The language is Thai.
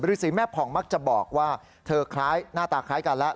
ฤษีแม่ผ่องมักจะบอกว่าเธอคล้ายหน้าตาคล้ายกันแล้ว